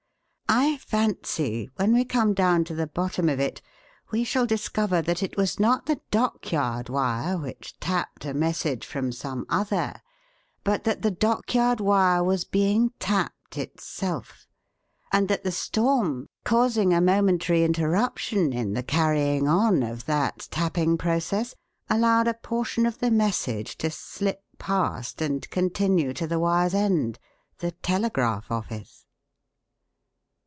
I fancy when we come down to the bottom of it we shall discover that it was not the dockyard wire which 'tapped' a message from some other, but that the dockyard wire was being 'tapped' itself, and that the storm, causing a momentary interruption in the carrying on of that 'tapping' process, allowed a portion of the message to slip past and continue to the wire's end the telegraph office."